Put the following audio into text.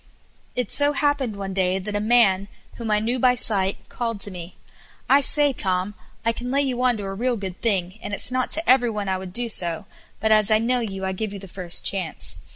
It so happened one day that a man, whom I knew by sight, called to me: "I say, Tom, I can lay you on to a real good thing, and it's not to every one I would do so, but as I know you I give you the first chance.